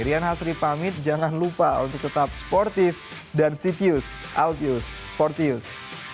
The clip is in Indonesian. rian hasri pamit jangan lupa untuk tetap sportif dan secuse albuse fortius